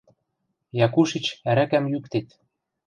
Якушич ӓрӓкӓм йӱктет...